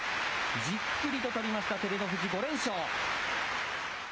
じっくりと取りました、照ノ富士、５連勝。